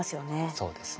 そうですね。